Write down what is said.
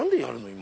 今。